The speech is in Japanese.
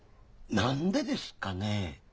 何でですかね？